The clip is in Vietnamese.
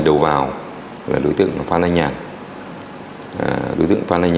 đối tượng phan anh nhàn